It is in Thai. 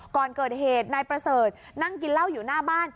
ก่อนเกิดเหตุนายประเสริฐนั่งกินเหล้าอยู่หน้าบ้าน